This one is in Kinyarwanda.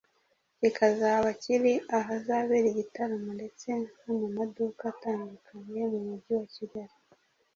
kikazaba kiri ahazabera igitaramo ndetse no mu maduka atandukanye yo mu mujyi wa Kigali